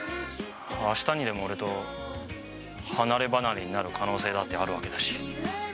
明日にでも俺と離れ離れになる可能性だってあるわけだし。